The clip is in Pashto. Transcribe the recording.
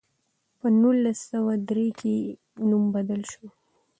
په نولس سوه درې کې یې نوم بدل شو.